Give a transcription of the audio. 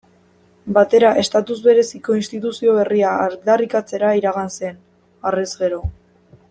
Batera estatus bereziko instituzio berria aldarrikatzera iragan zen, harrez gero.